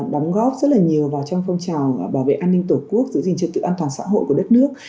đóng góp rất là nhiều vào trong phong trào bảo vệ an ninh tổ quốc giữ gìn trật tự an toàn xã hội của đất nước